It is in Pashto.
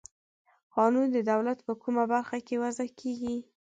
قانون د دولت په کومه برخه کې وضع کیږي؟